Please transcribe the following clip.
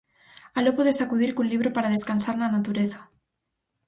Aló podes acudir cun libro para descansar na natureza.